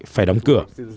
phải đóng cửa